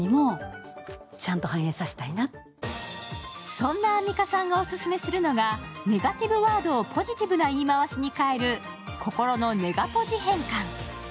そんなアンミカさんがオススメするのは、ネガティブワードをポジティブな言い回しに変える心のネガポジ変換。